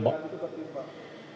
tidak tahu pak